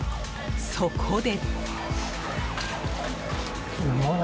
そこで。